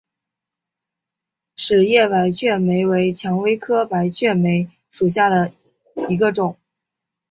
齿叶白鹃梅为蔷薇科白鹃梅属下的一个种。